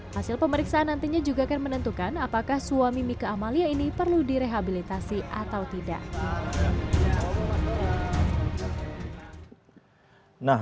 hasil pemeriksaan nantinya juga akan menentukan apakah suami mika amalia ini perlu direhabilitasi atau tidak